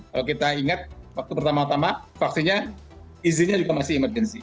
kalau kita ingat waktu pertama tama vaksinnya izinnya juga masih emergensi